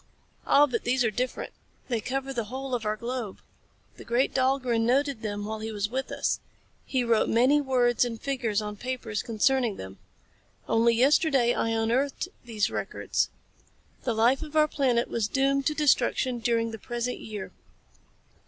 "Ah, but these are different. They cover the whole of our globe. The great Dahlgren noted them while he was with us. He wrote many words and figures on paper concerning them. Only yesterday I unearthed these records. The life of our planet was doomed to destruction during the present year.